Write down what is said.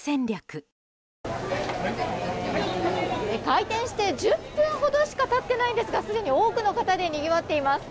開店して１０分ほどしか経っていないんですがすでに多くの方でにぎわっています。